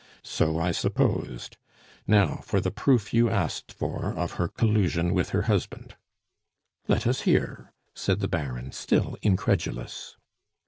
"So I supposed. Now for the proof you asked for of her collusion with her husband." "Let us hear!" said the Baron, still incredulous.